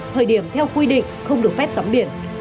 thời điểm theo quy định không được phép tắm biển